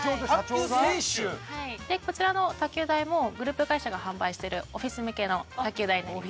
こちらの卓球台もグループ会社が販売してるオフィス向けの卓球台になります。